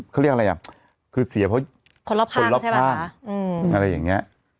เขาเรียกอะไรอ่ะคือเสียเพราะคนรอบข้างคนรอบข้างอะไรอย่างนี้